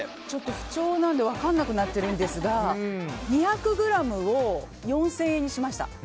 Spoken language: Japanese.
ちょっと不調なので分からなくなっているんですが２００ｇを４０００円にしました。